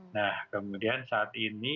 nah kemudian saat ini